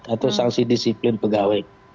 atau sanksi disiplin pegawai